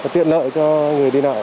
tiện lợi cho người đi nợ